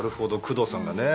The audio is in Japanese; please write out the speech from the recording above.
工藤さんがね。